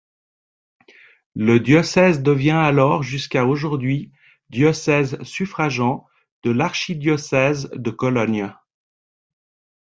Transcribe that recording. Le diocèse devient alors et jusqu'à aujourd'hui diocèse suffragants de l'archidiocèse de Cologne.